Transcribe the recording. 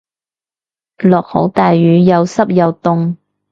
落好大雨又濕又凍